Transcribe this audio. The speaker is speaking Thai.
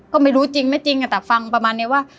ก็ไม่รู้จริงไม่จริงแต่ฟังประมาณนี้ว่า